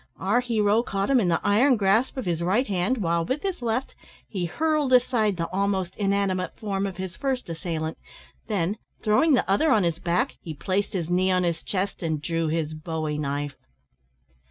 Our hero caught him in the iron grasp of his right hand, while, with his left, he hurled aside the almost inanimate form of his first assailant; then, throwing the other on his back, he placed his knee on his chest, and drew his bowie knife.